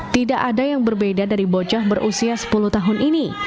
tidak ada yang berbeda dari bocah berusia sepuluh tahun ini